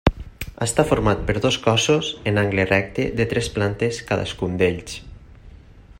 Està format per dos cossos en angle recte de tres plantes cadascun d'ells.